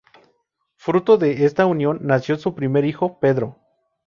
Fruto de esta unión nació su primer hijo, Pedro.